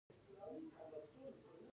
دومره هڅه وکړه چي خلک په لیوني درته ووایي.